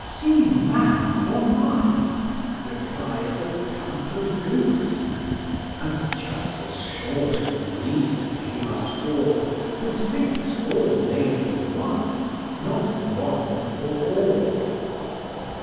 "See man for mine!" replies a pampered goose: And just as short of reason he must fall, Who thinks all made for one, not one for all.